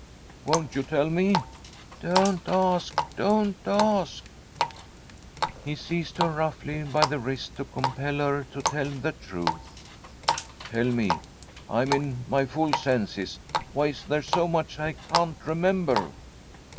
' Won't you tell me ?'' Don't ask ! don't ask !' He seized her roughly by the wrist to compel her to tell the truth. * Tell me ! I am in my full senses ! Why is there so much I can't remember